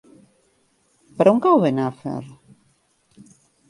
Per on cau Benafer?